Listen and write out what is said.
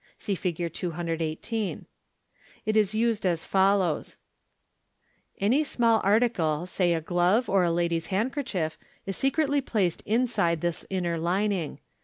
(See Fig. a 18.) It MODERN MAGIC. 387 is used as follows :— Any small article, say a glove or a lady's hand kerchief, is secretly placed inside this inner lining.